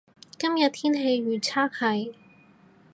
今日天氣預測係